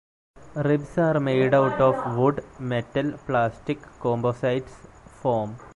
Ribs are made out of wood, metal, plastic, composites, foam.